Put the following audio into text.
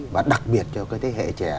và đặc biệt cho cái thế hệ trẻ